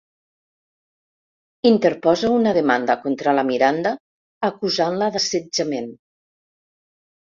Interposa una demanda contra la Miranda, acusant-la d'assetjament.